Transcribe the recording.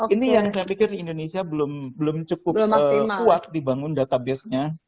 ini yang saya pikir indonesia belum cukup kuat dibangun databasenya